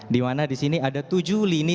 di mana di sini ada tujuh lini